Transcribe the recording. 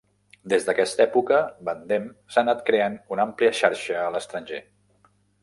Des d'aquesta època, Bandem s'ha anat creant una àmplia xarxa a l'estranger.